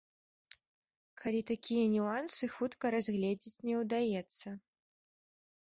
Калі такія нюансы хутка разгледзець не ўдаецца.